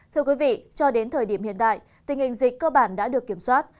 thưa quý vị cho đến thời điểm hiện tại tình hình dịch cơ bản đã được kiểm soát